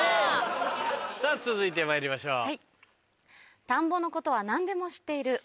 さぁ続いてまいりましょう。